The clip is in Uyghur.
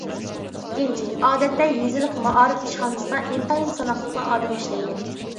ئىككىنچى، ئادەتتە يېزىلىق مائارىپ ئىشخانىسىدا ئىنتايىن ساناقلىقلا ئادەم ئىشلەيدۇ.